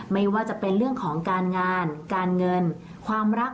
ไม่ว่าจะเป็นเรื่องของการงานการเงินความรัก